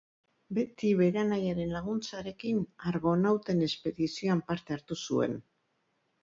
Beti bere anaiaren laguntzarekin, argonauten espedizioan parte hartu zuen.